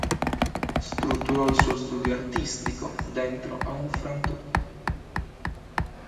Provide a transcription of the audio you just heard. Strutturò il suo studio artistico dentro a un frantoio.